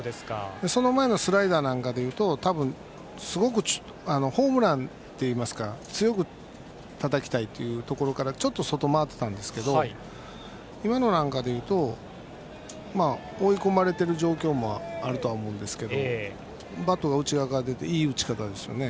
その前のスライダーは多分、すごくホームランといいますか強くたたきたいというところからちょっと外、待ってたんですけど今の中で言うと追い込まれてる状況もあるとは思うんですけどバットが内側から出ていい打ち方ですよね。